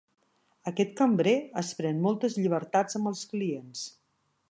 Aquest cambrer es pren moltes llibertats amb els clients.